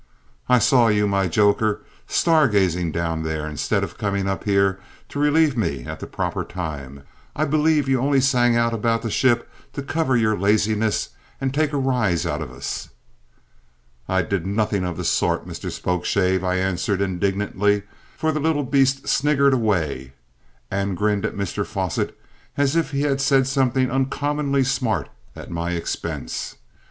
"I saw you, my joker, star gazing down there, instead of coming up here to relieve me at the proper time! I believe you only sang out about the ship to cover your laziness and take a rise out of us!" "I did nothing of the sort, Mr Spokeshave," I answered indignantly, for the little beast sniggered away and grinned at Mr Fosset as if he had said something uncommonly smart at my expense.